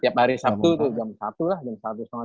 tiap hari sabtu tuh jam satu lah